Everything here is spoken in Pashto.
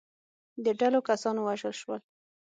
د ډلو کسان ووژل شول.